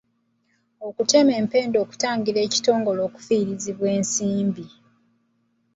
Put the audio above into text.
Okutema empenda okutangira ekitongole okufiirizibwa ensimbi.